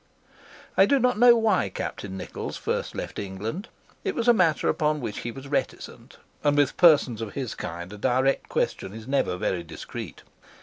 I do not know why Captain Nichols first left England. It was a matter upon which he was reticent, and with persons of his kind a direct question is never very discreet.